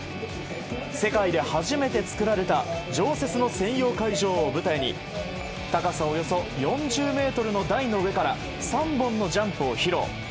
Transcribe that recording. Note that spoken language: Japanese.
世界で初めて作られた常設の専用会場を舞台に、高さおよそ４０メートルの台の上から、３本のジャンプを披露。